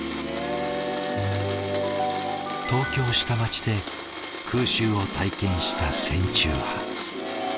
東京下町で空襲を体験した戦中派。